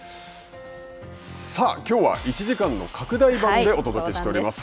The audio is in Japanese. さあ、きょうは１時間の拡大版でお届けしております。